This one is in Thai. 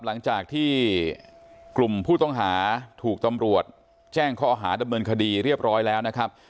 หลังจากที่กลุ่มผู้ต้องหาถูกตำรวจแจ้งข้อหาดำเนินคดีเรียบร้อยแล้วนะครับ